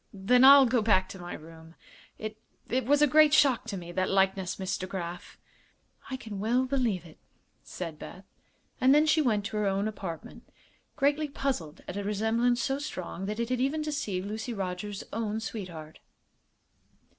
"Then I'll go back to my room. It it was a great shock to me, that likeness, Miss DeGraf." "I can well believe it," said Beth; and then she went to her own apartment, greatly puzzled at a resemblance so strong that it had even deceived Lucy Rogers's own sweetheart.